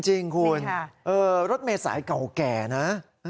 จริงคุณรถเมษายเก่าแก่นะ